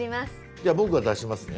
じゃあ僕が出しますね。